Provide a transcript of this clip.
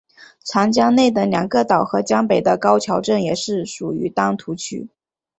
长江内的两个岛和江北的高桥镇也属于丹徒区。